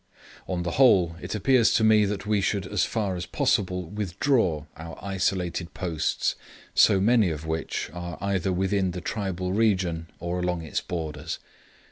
On the whole it appears to me that we should as far as possible withdraw our isolated posts, so many of which, are either within the tribal country or along its borders.